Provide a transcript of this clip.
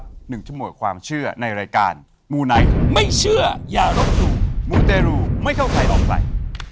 หนึ่งชั่วโมงความเชื่อในรายการมูไนท์ไม่เชื่ออย่ารบหลู่มูเตรูไม่เข้าใครออกใคร